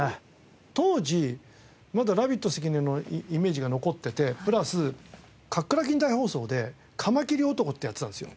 当時まだラビット関根のイメージが残っててプラス『カックラキン大放送！！』でカマキリ男ってやってたんですよ。